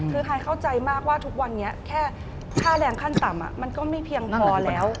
คือฮายเข้าใจมากว่าทุกวันนี้แค่ค่าแรงขั้นต่ำมันก็ไม่เพียงพอแล้ว